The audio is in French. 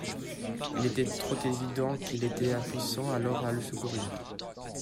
Il était trop évident qu’ils étaient impuissants alors à le secourir.